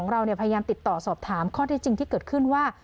เราพยายามติดต่อสอบถามข้อที่จริงที่เกิดขึ้นว่า